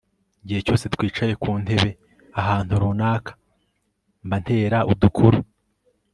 igihe cyose twicaye ku ntebe ahantu runaka mba ntera udukuru